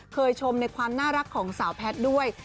ชมในความน่ารักของสาวแพทย์ด้วย